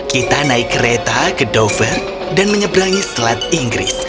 kita naik kereta ke dover dan menyeberangi selat inggris